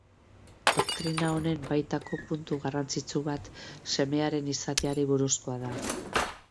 Doktrina honen baitako puntu garrantzitsu bat Semearen izateari buruzkoa da.